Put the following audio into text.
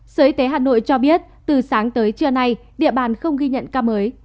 sở y tế hà nội cho biết từ sáng tới trưa nay địa bàn không ghi nhận ca mới